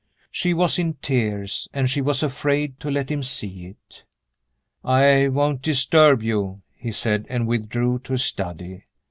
She was in tears, and she was afraid to let him see it. "I won't disturb you," he said, and withdrew to his study.